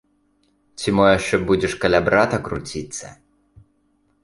Ці мо яшчэ будзеш каля брата круціцца?